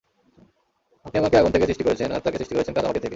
আপনি আমাকে আগুন থেকে সৃষ্টি করেছেন আর তাকে সৃষ্টি করেছেন কাদা মাটি থেকে।